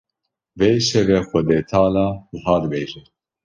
Vê şevê Xwedê Teala wiha dibêje: